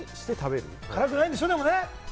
辛くないんでしょ？